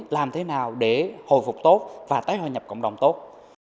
làm thế nào để hồi phục tốt và tái hoa nhập cộng đồng tốt